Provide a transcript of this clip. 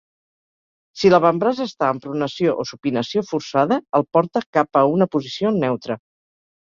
Si l'avantbraç està en pronació o supinació forçada el porta cap a una posició neutra.